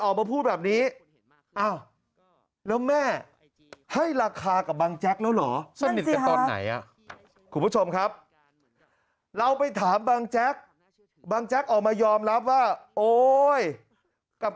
คุณผู้ชมครับเราไปถามบางแจ๊คบางแจ๊คออกมายอมรับว่า